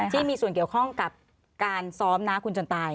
ที่มีส่วนเกี่ยวข้องกับการซ้อมน้าคุณจนตาย